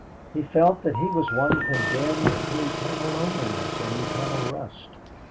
He felt that he was one condemned to eternal loneliness and eternal rust.